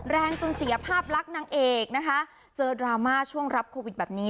แรงจนเสียภาพลักษณ์นางเอกนะคะเจอดราม่าช่วงรับโควิดแบบนี้